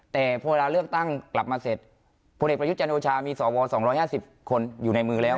แต่พอเวลาเลือกตั้งกลับมาเสร็จพลเอกประยุทธ์จันโอชามีสว๒๕๐คนอยู่ในมือแล้ว